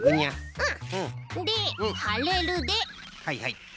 うん。